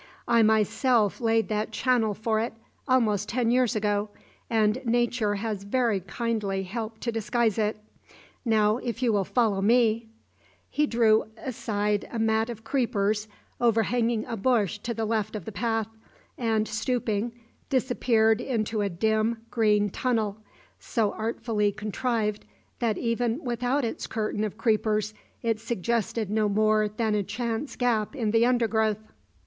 I myself laid that channel for it, almost ten years ago, and Nature has very kindly helped to disguise it. Now, if you will follow me " He drew aside a mat of creepers overhanging a bush to the left of the path, and, stooping, disappeared into a dim, green tunnel, so artfully contrived that even without its curtain of creepers it suggested no more than a chance gap in the undergrowth.